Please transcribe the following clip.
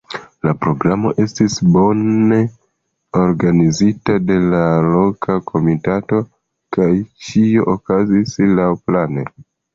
La programo estis bone organizita de la loka komitato, kaj ĉio okazis laŭplane.